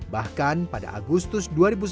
bahkan pada agustus dua ribu sembilan belas